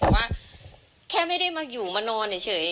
แต่ว่าแค่ไม่ได้มาอยู่มานอนเฉย